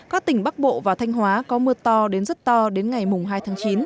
các tỉnh bắc bộ và thanh hóa có mưa to đến rất to đến ngày mùng hai tháng chín